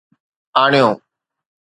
آڻيو